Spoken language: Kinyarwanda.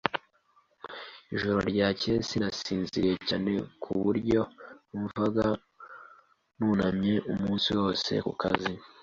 Ijoro ryakeye sinasinziriye cyane ku buryo numvaga nunamye umunsi wose ku kazi.